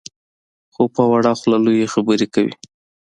خو په وړه خوله لویې خبرې کوي.